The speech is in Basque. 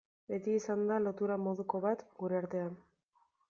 Beti izan da lotura moduko bat gure artean.